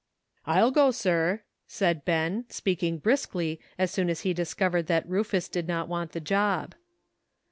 "I'll go, sir," said Ben, speaking briskly as soon as he discovered that Rufus did not want the job.